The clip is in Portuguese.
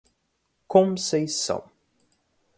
Conceição